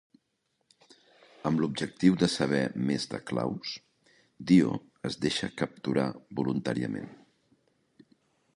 Amb l'objectiu de saber més de Claus, Dio es deixa capturar voluntàriament.